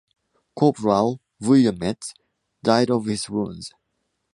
Corporal Vuillermet died of his wounds.